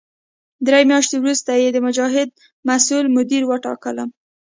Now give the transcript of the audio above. درې میاشتې وروسته یې د مجاهد مسوول مدیر وټاکلم.